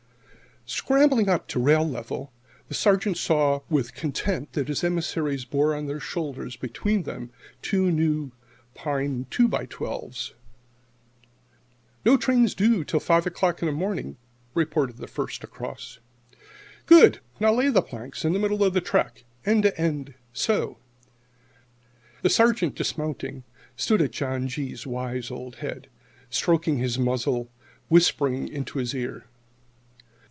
Scrambling up to rail level, the Sergeant saw with content that his emissaries bore on their shoulders between them two new pine "two by twelves."[72 1] "No train's due till five o'clock in the morning," reported the first across. "Good! Now lay the planks. In the middle of the track. End to end. So." The Sergeant, dismounting, stood at John G.'s wise old head, stroking his muzzle, whispering into his ear.